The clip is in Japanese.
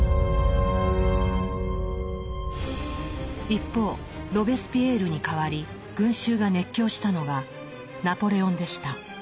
一方ロベスピエールに代わり群衆が熱狂したのがナポレオンでした。